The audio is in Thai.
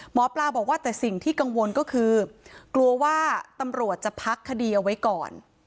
หมอปลาบอกว่าแต่สิ่งที่กังวลก็คือกลัวว่าตำรวจจะพักคดีเอาไว้ก่อน